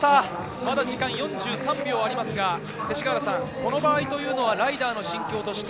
まだ時間、４３秒ありますが、この場合というのはライダーの心境は。